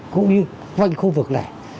cũng như quanh khu vực này